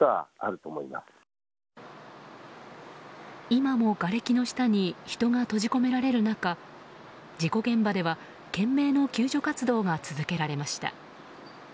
今もがれきの下に人が閉じ込められる中事故現場では懸命の救助活動が続けられました。